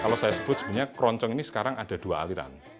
kalau saya sebut sebenarnya keroncong ini sekarang ada dua aliran